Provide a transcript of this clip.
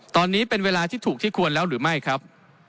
ตอนนี้เป็นเวลาที่ถูกที่ควรแล้วหรือไม่ครับ